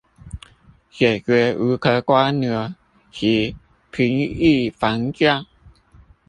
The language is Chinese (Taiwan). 解決無殼蝸牛及平抑房價